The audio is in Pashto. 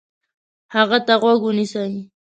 هغه ته غوږ ونیسئ،